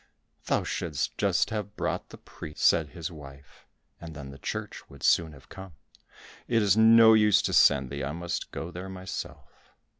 "Thou shouldst just have brought the priest," said his wife, "and then the church would soon have come. It is no use to send thee, I must go there myself."